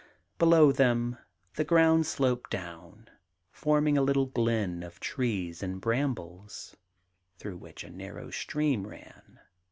I Below them the ground sloped down, forming a little glen of trees and brambles, through which a narrow stream ran.